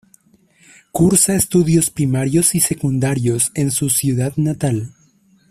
Cursa estudios primarios y secundarios en su ciudad natal.